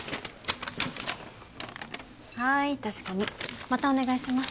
はーい確かにまたお願いします